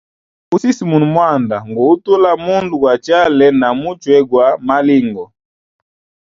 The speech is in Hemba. Usisimuna mwanda ngu utula mundu gwa chale na muchwe gwa malingo.